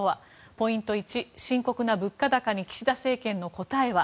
ポイント１、深刻な物価高に岸田政権の答えは？